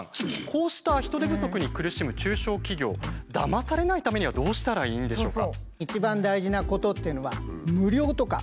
こうした人手不足に苦しむ中小企業だまされないためにはどうしたらいいんでしょうか？